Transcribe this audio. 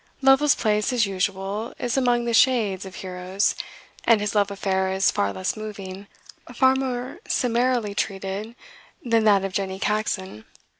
Lovel's place, as usual, is among the shades of heroes, and his love affair is far less moving, far more summarily treated, than that of Jenny Caxon.